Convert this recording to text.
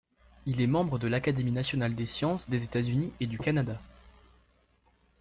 Il est membre de l'Académie nationale des sciences des États-Unis et du Canada.